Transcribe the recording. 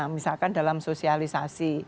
misalkan dalam sosialisasi